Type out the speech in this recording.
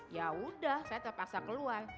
ya udah saya terpaksa keluar